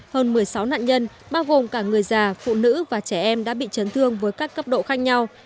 hơn một mươi sáu nạn nhân bao gồm cả người già phụ nữ và trẻ em đã bị chấn thương với các cấp độ khác nhau